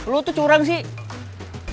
lo tuh curang sih